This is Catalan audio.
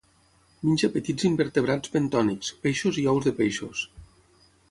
Menja petits invertebrats bentònics, peixos i ous de peixos.